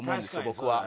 僕は。